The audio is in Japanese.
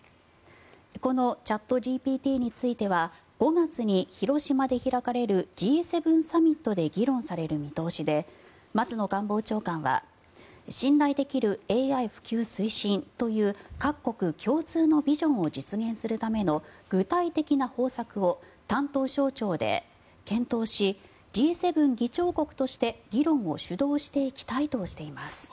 このチャットＧＰＴについては５月に広島で開かれるＧ７サミットで議論される見通しで松野官房長官は信頼できるＡＩ普及推進という各国共通のビジョンを実現するための具体的な方策を担当省庁で検討しＧ７議長国として議論を主導していきたいとしています。